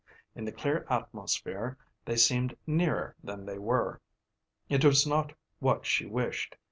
In the clear atmosphere they seemed nearer than they were. It was not what she wished.